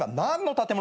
建物？